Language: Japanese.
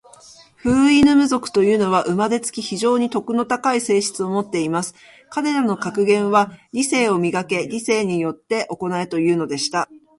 フウイヌム族というのは、生れつき、非常に徳の高い性質を持っています。彼等の格言は、『理性を磨け。理性によって行え。』というのでした。